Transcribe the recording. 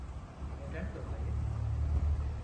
Neden dolayı?